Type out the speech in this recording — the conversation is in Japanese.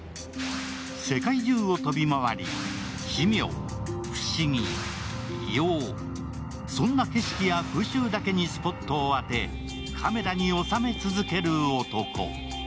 世界中を飛び回り、奇妙、不思議、異様、そんな景色や風習だけにスポットを当て、カメラに収め続ける男。